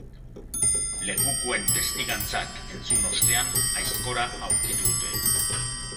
Lekukoen testigantzak entzun ostean, aizkora aurkitu dute.